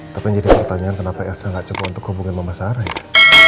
tapi jadi pertanyaan kenapa elsa gak cukup untuk hubungin mama sarah ya